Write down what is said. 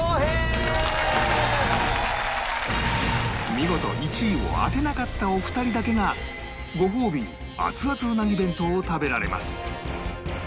見事１位を当てなかったお二人だけがごほうびに熱々うなぎ弁当を食べられます